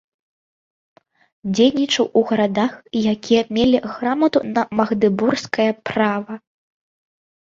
Дзейнічаў у гарадах, якія мелі грамату на магдэбургскае права.